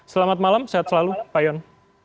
selamat malam sehat selalu pak yon